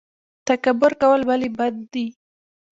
تکبر کول ولې بد دي؟